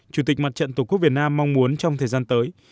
chủ tịch mặt trận tổ quốc việt nam mong muốn trong thời gian tới